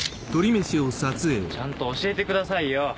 ちゃんと教えてくださいよ。